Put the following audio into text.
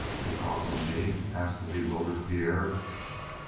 "Because of me?" asked the bewildered Pierre.